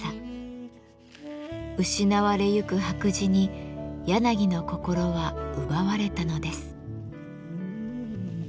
失われゆく白磁に柳の心は奪われたのです。